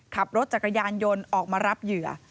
ขับรถจักรยานยนต์ออกมารับเหยื่อ